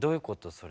それ。